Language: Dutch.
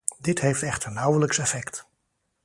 Dit heeft echter nauwelijks effect.